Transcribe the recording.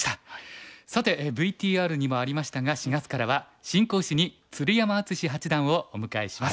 さてＶＴＲにもありましたが４月からは新講師に鶴山淳志八段をお迎えします。